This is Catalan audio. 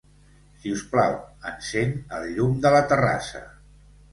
Si us plau, encén el llum de la terrassa.